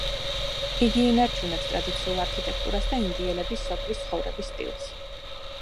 იგი ინარჩუნებს ტრადიციულ არქიტექტურას და ინდიელების სოფლის ცხოვრების სტილს.